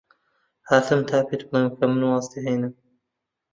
هاتم تا پێت بڵێم کە من واز دەهێنم.